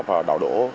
và đạo độ